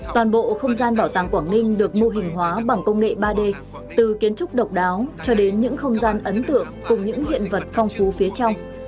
toàn bộ không gian bảo tàng quảng ninh được mô hình hóa bằng công nghệ ba d từ kiến trúc độc đáo cho đến những không gian ấn tượng cùng những hiện vật phong phú phía trong